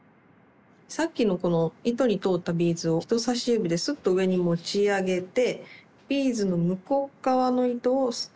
さっきのこの糸に通ったビーズを人さし指でスッと上に持ち上げてビーズの向こう側の糸をすくう。